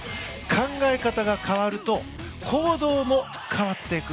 考え方が変わると行動も変わっていく。